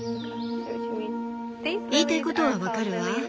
言いたいことは分かるわ。